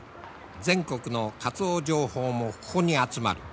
全国のカツオ情報もここに集まる。